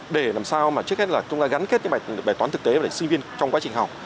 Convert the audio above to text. để làm sao mà trước hết là gắn kết những bài toán thực tế để sinh viên trong quá trình học